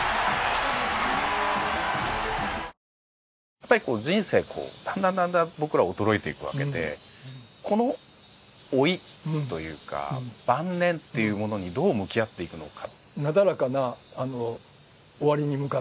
やっぱり人生だんだん僕らは衰えていくわけでこの老いというか晩年っていうものにどう向き合っていくのか。